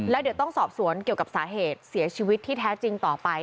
แล้วเดี๋ยวต้องสอบสวนเกี่ยวกับสาเหตุเสียชีวิตที่แท้จริงต่อไป